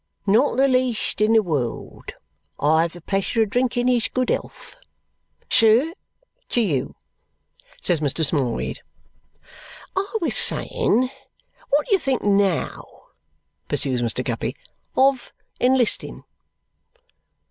"Not the least in the world. I have the pleasure of drinking his good health." "Sir, to you!" says Mr. Smallweed. "I was saying, what do you think NOW," pursues Mr. Guppy, "of enlisting?"